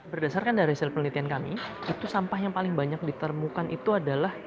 berdasarkan dari hasil penelitian kami itu sampah yang paling banyak ditemukan itu adalah